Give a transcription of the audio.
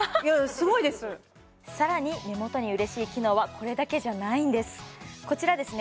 すごいですさらに目元に嬉しい機能はこれだけじゃないんですこちらですね